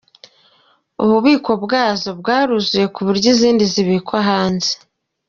Ububiko bwazo bwaruzuye ku buryo izindi zibikwa hanze.